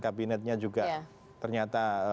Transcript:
kabinetnya juga ternyata